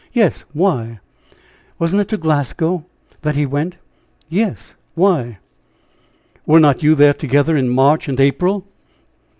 "Yes; why?" "Wasn't it to Glasgow that he went?" "Yes; why?" "Were not you there together in March and April, 182